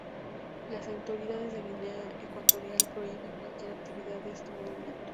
Las autoridades de Guinea Ecuatorial prohíben cualquier actividad de este movimiento.